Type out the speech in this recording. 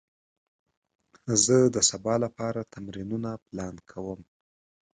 زه د سبا لپاره تمرینونه پلان کوم.